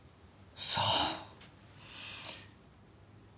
さあ。